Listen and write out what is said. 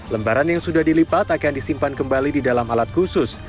lembaran yang sudah dilipat akan disimpan kembali di dalam alat khusus